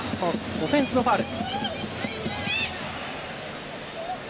オフェンスのファウル。